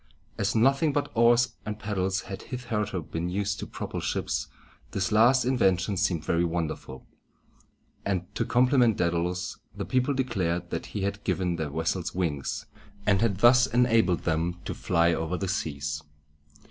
As nothing but oars and paddles had hitherto been used to propel ships, this last invention seemed very wonderful; and, to compliment Dædalus, the people declared that he had given their vessels wings, and had thus enabled them to fly over the seas.